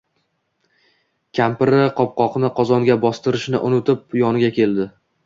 Kampiri qopqoqni qozonga bostirishni unutib, yoniga keldi